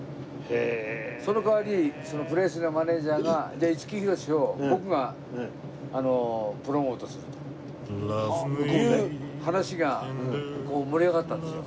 その代わりプレスリーのマネジャーがじゃあ五木ひろしを僕がプロモートすると。という話がこう盛り上がったんですよ。